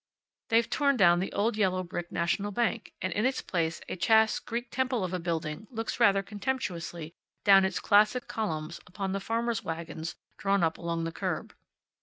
They've torn down the old yellow brick National Bank, and in its place a chaste Greek Temple of a building looks rather contemptuously down its classic columns upon the farmer's wagons drawn up along the curb.